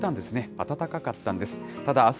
暖かかったんです。